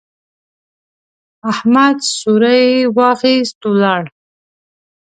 احمد څوری واخيست، ولاړ.